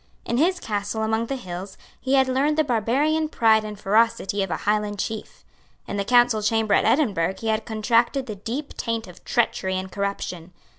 In his castle among the hills he had learned the barbarian pride and ferocity of a Highland chief. In the Council Chamber at Edinburgh he had contracted the deep taint of treachery and corruption.